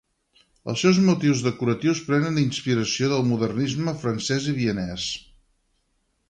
Els seus motius decoratius prenen inspiració del modernisme francès i vienès.